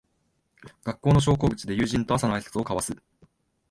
学校の昇降口で友人と朝のあいさつを交わす